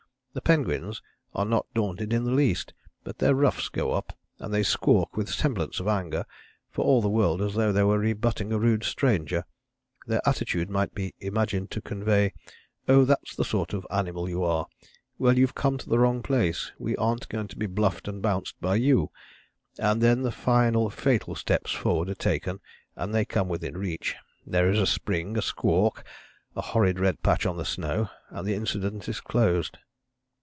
The penguins are not daunted in the least, but their ruffs go up and they squawk with semblance of anger, for all the world as though they were rebutting a rude stranger their attitude might be imagined to convey, 'Oh, that's the sort of animal you are; well, you've come to the wrong place we aren't going to be bluffed and bounced by you,' and then the final fatal steps forward are taken and they come within reach. There is a spring, a squawk, a horrid red patch on the snow, and the incident is closed."